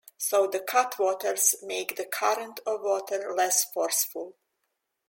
So the cutwaters make the current of water less forceful.